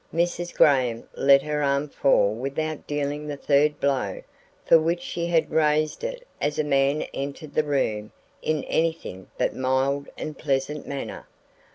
Mrs. Graham let her arm fall without dealing the third blow for which she had raised it as a man entered the room in anything but mild and pleasant manner.